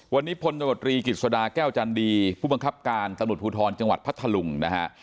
วันนี้พลตมตรีกิจสดาแก้วจันดีผู้บังคับการตำรวจภูทรจังหวัดพัทธลุงนะฮะ